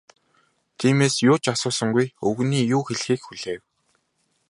Тиймээс юу ч асуусангүй, өвгөний юу хэлэхийг хүлээв.